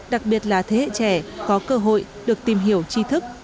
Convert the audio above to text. đặc biệt là thế hệ trẻ có cơ hội được tìm hiểu chi thức